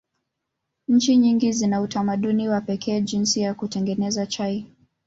Nchi nyingi zina utamaduni wa pekee jinsi ya kutengeneza chai.